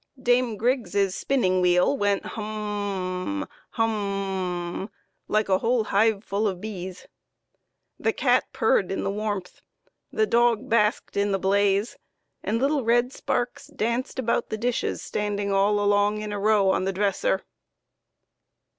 Dame Griggs's spinning wheel went humm m m ! hum m m m m ! like a whole hiveful of bees, the cat purred in the warmth, the dog basked in the blaze, and little red sparks danced about the dishes standing all along in .a row on the dresser.